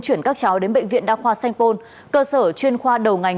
chuyển các cháu đến bệnh viện đa khoa sengpon cơ sở chuyên khoa đầu ngành